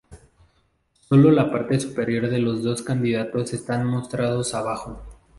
Sólo la parte superior de los dos candidatos están mostrados abajo.